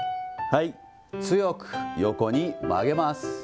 強く横に曲げます。